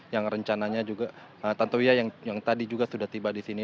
yang rencananya juga tantowia yang tadi juga sudah tiba di sini